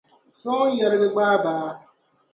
Sooŋ’ yariga gbaai baa.